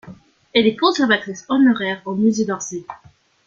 Elle est conservatrice honoraire au musée d'Orsay.